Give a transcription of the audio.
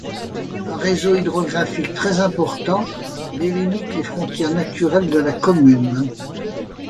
Un réseau hydrographique très important délimite les frontières naturelles de la commune.